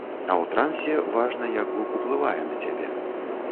А ў трансе важна, як гук уплывае на цябе.